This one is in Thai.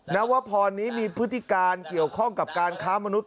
นวพรนี้มีพฤติการเกี่ยวข้องกับการค้ามนุษย